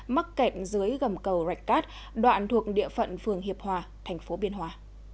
mắc kẹt dưới gầm cầu rạch cát đoạn thuộc địa phận phường hiệp hòa thành phố biên hòa